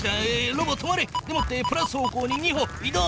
ロボ止まれ！でもってプラス方向に２歩い動！